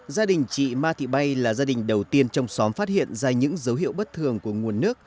gia đình chị ma thị bay là gia đình đầu tiên trong xóm phát hiện ra những dấu hiệu bất thường của nguồn nước